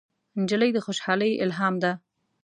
نجلۍ د خوشحالۍ الهام ده.